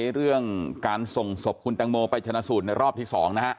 เรื่องการส่งศพคุณตังโมไปชนะสูตรในรอบที่๒นะฮะ